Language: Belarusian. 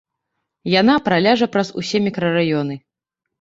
Яна праляжа праз усе мікрараёны.